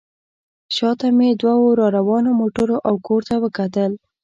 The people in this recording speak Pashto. شا ته مې دوو راروانو موټرو او کور ته وکتل.